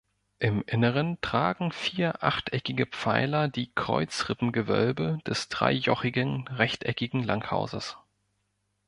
Im Inneren tragen vier achteckige Pfeiler die Kreuzrippengewölbe des dreijochigen, rechteckigen Langhauses.